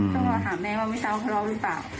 เขาก็ถามแม่ว่าไม่ทราบว่าเขาล็อกหรือเปล่า